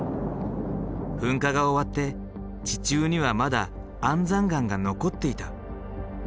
噴火が終わって地中にはまだ安山岩が残っていた。